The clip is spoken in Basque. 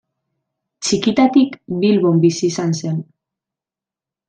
Txikitatik Bilbon bizi izan zen.